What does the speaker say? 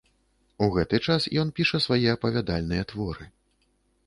У гэты час ён піша свае апавядальныя творы.